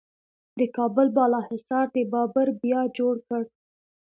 د کابل بالا حصار د بابر بیا جوړ کړ